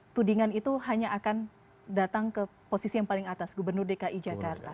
tudingan itu hanya akan datang ke posisi yang paling atas gubernur dki jakarta